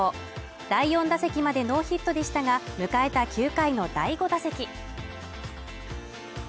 第４打席までノーヒットでしたが、迎えた９回の第５打席。